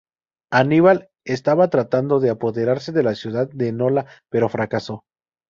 Aníbal estaba tratando de apoderarse de la ciudad de Nola, pero fracasó.